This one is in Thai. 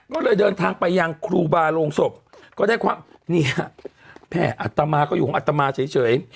ก็เลยเดินทางไปยังครูบาโรงศพก็ได้ความเนี่ยแม่อัตมาก็อยู่ของอัตมาเฉย